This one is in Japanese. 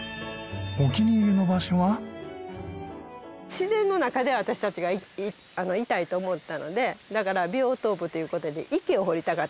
自然の中で私たちがいたいと思ったのでだからビオトープという事で池を掘りたかったんです。